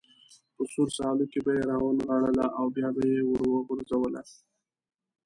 په سور سالو کې به یې را ونغاړله او بیا به یې وروغورځوله.